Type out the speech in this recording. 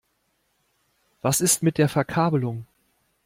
Was ist mit der Verkabelung?